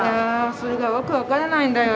それが訳分からないんだよ